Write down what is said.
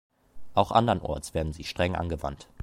Auch anderenorts werden sie streng angewandt.